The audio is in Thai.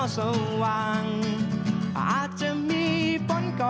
สนุนโดยอีซุสุข